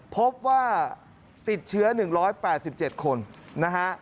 พบว่าติดเชื้อ๑๘๗คน